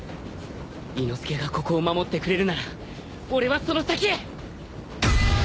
伊之助がここを守ってくれるなら俺はその先へ。